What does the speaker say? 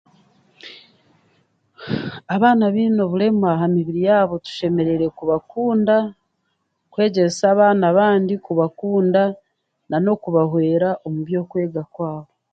Abaana abaine oburema aha mibiri yaabo tushemereire kubakunda kwegyesa abaana abandi kubakunda nanokubahwera omu byokwega kwabo